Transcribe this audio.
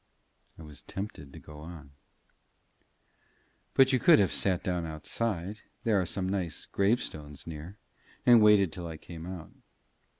I was tempted to go on. "But you could have sat down outside there are some nice gravestones near and waited till I came out."